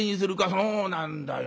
「そうなんだよ。